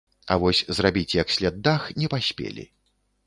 А вось зрабіць як след дах не паспелі.